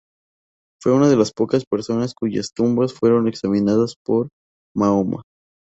Fue una de las pocas personas cuyas tumbas fueron examinadas por Mahoma.